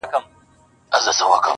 o د ښویېدلي سړي لوري د هُدا لوري.